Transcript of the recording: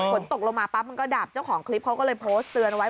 ฝนตกลงมาปั๊บมันก็ดับเจ้าของคลิปเขาก็เลยโพสต์เตือนไว้